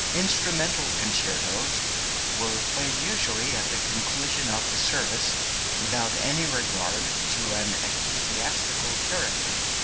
Instrumental concertos were played usually at the conclusion of the service, without any regard to an ecclesiastical character.